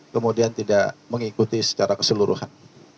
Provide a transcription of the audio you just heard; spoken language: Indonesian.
kemudian tidak mengikuti secara keseluruhan